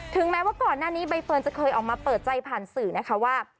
แม้ว่าก่อนหน้านี้ใบเฟิร์นจะเคยออกมาเปิดใจผ่านสื่อนะคะว่า